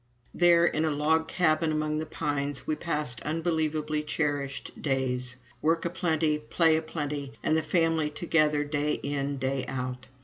There, in a log cabin among the pines, we passed unbelievably cherished days work a plenty, play a plenty, and the family together day in, day out.